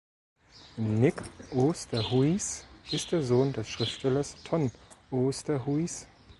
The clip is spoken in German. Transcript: Nick Oosterhuis ist der Sohn des Schriftstellers Ton Oosterhuis.